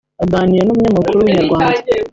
Aganira n'umunyamakuru wa Inyarwanda